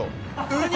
ウニ！